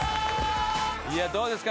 いやどうですか？